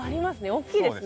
大きいですね。